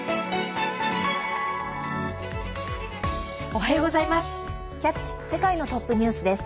おはようございます。